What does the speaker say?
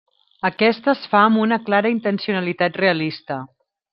Aquesta es fa amb una clara intencionalitat realista.